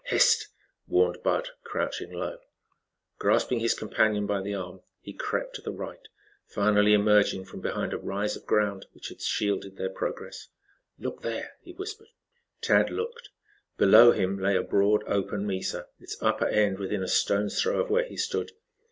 "Hist!" warned Bud, crouching low. Grasping his companion by the arm, he crept to the right, finally emerging from behind a rise of ground which had shielded their progress. "Look there," he whispered. Tad looked. Below him lay a broad, open mesa, its upper end within a stone's throw of where he stood.